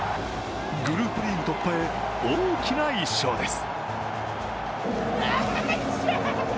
グループリーグ突破へ、大きな１勝です。